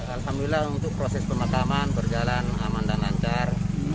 alhamdulillah untuk proses pemakaman berjalan aman dan lancar